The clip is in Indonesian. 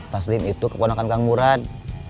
taslim itu keponakan kang murad